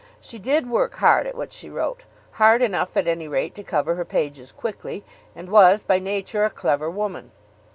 She did work hard at what she wrote, hard enough at any rate to cover her pages quickly; and was, by nature, a clever woman.